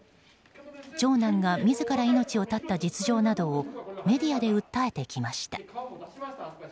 長男が自ら命を絶った実情などをメディアで訴えてきました。